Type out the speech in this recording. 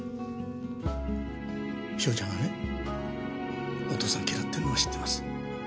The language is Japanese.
翔ちゃんがねお父さんを嫌ってるのは知ってます。